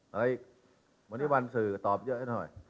เฮ้ยวันนี้วันสื่อตอบเยอะให้หน่อย